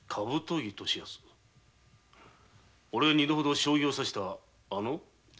おれが二度ほど将棋を指したあの！？